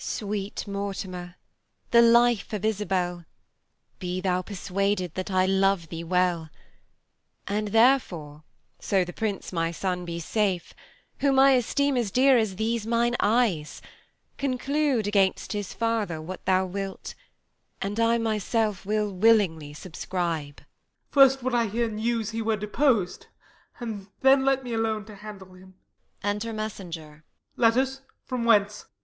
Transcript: Q. Isab. Sweet Mortimer, the life of Isabel, Be thou persuaded that I love thee well; And therefore, so the prince my son be safe, Whom I esteem as dear as these mine eyes, Conclude against his father what thou wilt, And I myself will willingly subscribe. Y. Mor. First would I hear news he were depos'd, And then let me alone to handle him. Enter Messenger. Letters! from whence? _Mess.